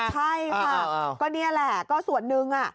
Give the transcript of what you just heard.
ใช่ค่ะก็นี่แหละก็ส่วนหนึ่ง